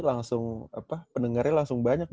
langsung pendengarnya langsung banyak